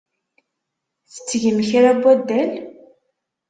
Tettgem kra n waddal?